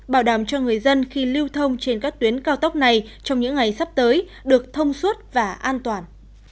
bảo đảm cho người dân khi lưu thông trên các tuyến cao tốc này trong những ngày sắp tới được thông suốt và an toàn